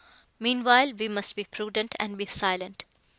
Meanwhile, we must be prudent and be silent.